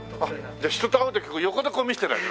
じゃあ人と会う時横でこう見せてりゃ。